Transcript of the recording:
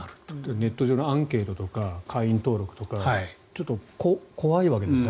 ネット上のアンケートとか会員登録とかちょっと怖いわけですね。